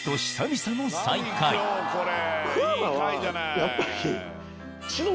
やっぱり。